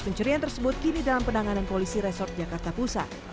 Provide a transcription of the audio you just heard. pencurian tersebut kini dalam penanganan polisi resort jakarta pusat